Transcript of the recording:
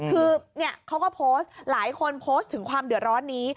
คือเขาก็โพสต์หลายคนโพสต์ถึงความเดือดร้อนนี้